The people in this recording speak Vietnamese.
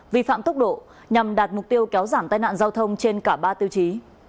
vi phạm tốc độ nhằm đạt mục tiêu kéo giảm tai nạn giao thông trên cả ba tiêu chí